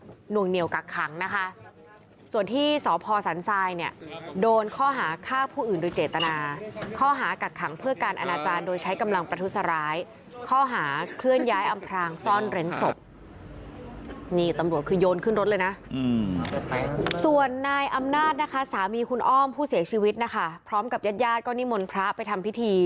พี่หุยกับเนี่ยตอนหน้าที่เกิดขึ้นน่ะพี่หุยกับเนี่ยตอนหน้าที่เกิดขึ้นน่ะพี่หุยกับเนี่ยตอนหน้าที่เกิดขึ้นน่ะพี่หุยกับเนี่ยตอนหน้าที่เกิดขึ้นน่ะพี่หุยกับเนี่ยตอนหน้าที่เกิดขึ้นน่ะพี่หุยกับเนี่ยตอนหน้าที่เกิดขึ้นน่ะพี่หุยกับเนี่ยตอนหน้าที่เกิดขึ้นน่ะพี่หุยกับเนี่ยตอนหน้าท